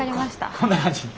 こんな感じ。